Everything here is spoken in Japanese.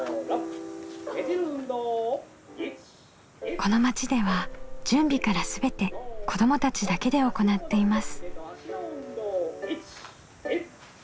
この町では準備から全て子どもたちだけで行っています。